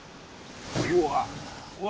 うわ。